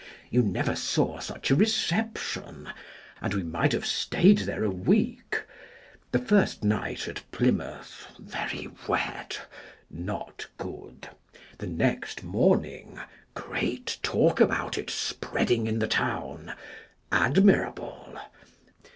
You never saw such a reception, and we might have stayed there a week. The first night at Plymouth (very wet) not good. The next morning (great talk about it spread ing in the town) admirable.